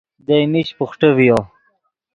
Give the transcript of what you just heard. دئے میش بوخٹے ڤیو